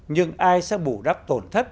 nhưng ai sẽ bù đắp tổn thất